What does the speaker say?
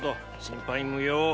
心配無用！